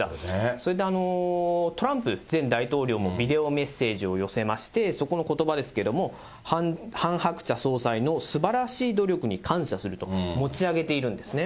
それでトランプ前大統領もビデオメッセージを寄せまして、そこのことばですけれども、ハン・ハクチャ総裁のすばらしい努力に感謝すると、持ち上げているんですね。